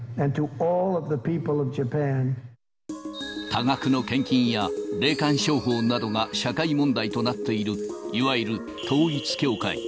多額の献金や霊感商法などが社会問題となっている、いわゆる統一教会。